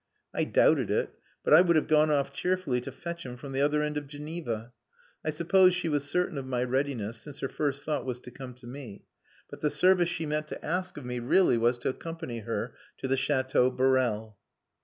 I doubted it; but I would have gone off cheerfully to fetch him from the other end of Geneva. I suppose she was certain of my readiness, since her first thought was to come to me. But the service she meant to ask of me really was to accompany her to the Chateau Borel.